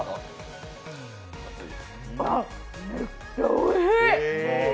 あっ、めっちゃおいしい。